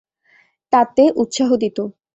তাতে উৎসাহ দিত।